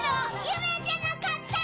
夢じゃなかった！